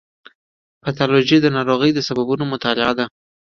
پیتالوژي د ناروغیو د سببونو مطالعه ده.